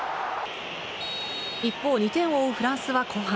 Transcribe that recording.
一方、２点を追うフランスは後半。